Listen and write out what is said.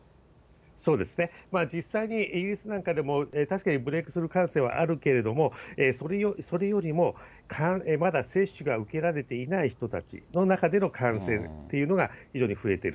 そうですね、実際にイギリスなんかでも確かにブレークスルー感染はあるけれども、それよりもまだ接種が受けられていない人たち、その中での感染というのが非常に増えている。